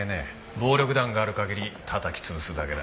暴力団がある限りたたき潰すだけだ。